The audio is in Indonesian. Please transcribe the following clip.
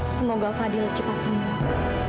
semoga fadil cepat sembuh